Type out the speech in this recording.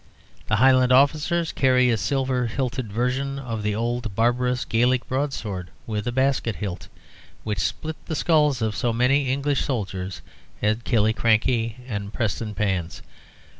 The Highland officers carry a silver hilted version of the old barbarous Gaelic broadsword with a basket hilt, which split the skulls of so many English soldiers at Killiecrankie and Prestonpans.